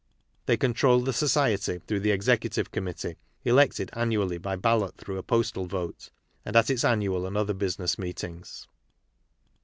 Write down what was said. They control the Society through the Executive Committee (elected annually by ballot through a postal vote), and at its annual and other business meetings.